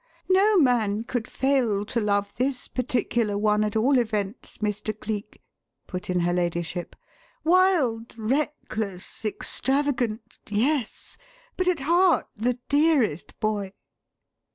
"No man could fail to love this particular one at all events, Mr. Cleek," put in her ladyship. "Wild, reckless, extravagant yes! But at heart, the dearest boy!"